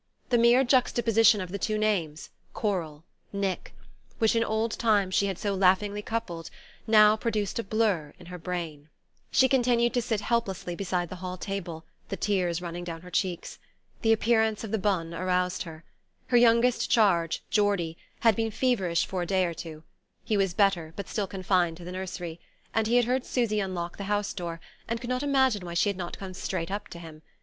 The mere juxtaposition of the two names Coral, Nick which in old times she had so often laughingly coupled, now produced a blur in her brain. She continued to sit helplessly beside the hall table, the tears running down her cheeks. The appearance of the bonne aroused her. Her youngest charge, Geordie, had been feverish for a day or two; he was better, but still confined to the nursery, and he had heard Susy unlock the house door, and could not imagine why she had not come straight up to him.